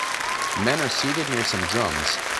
Men are seated near some drums.